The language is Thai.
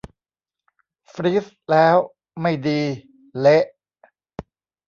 ฟรีซแล้ว ไม่ดี เละ